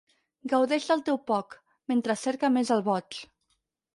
Gaudeix del teu poc, mentre cerca més el boig.